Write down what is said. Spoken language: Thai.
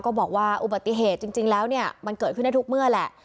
ก็บอกว่าอุบัติเหตุจริงแล้วเนี่ยมันเกิดขึ้นได้ทุกเมื่อแหละ